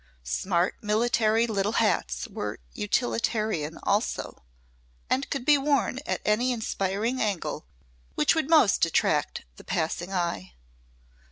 Smart military little hats were utilitarian also and could be worn at any inspiring angle which would most attract the passing eye.